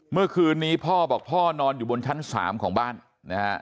เมื่อคืนนี้พ่อบอกพ่อนอนอยู่บนชั้น๓ของบ้านนะฮะ